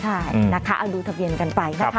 ใช่นะคะเอาดูภาพเบียนกันไป